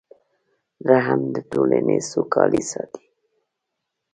رحم د ټولنې سوکالي ساتي.